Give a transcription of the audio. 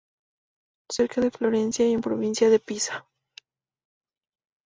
Cerca de Florencia y en provincia de Pisa.